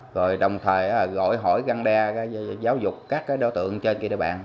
rồi đồng thời gọi hỏi găng đe giáo dục các đối tượng trên địa bàn